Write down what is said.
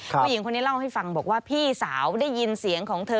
ผู้หญิงคนนี้เล่าให้ฟังบอกว่าพี่สาวได้ยินเสียงของเธอ